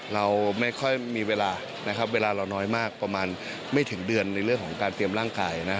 เราไม่ค่อยมีเวลานะครับเวลาเราน้อยมากประมาณไม่ถึงเดือนในเรื่องของการเตรียมร่างกาย